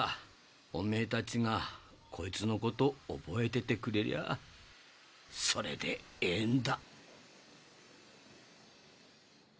オメエたちがこいつのこと覚えててくれりゃあそれでええんだ。